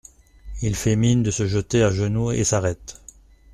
Il fait mine de se jeter à genoux et s’arrête.